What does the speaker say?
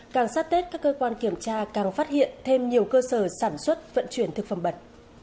càng sát tết các cơ quan kiểm tra càng phát hiện thêm nhiều cơ sở sản xuất vận chuyển thực phẩm bẩn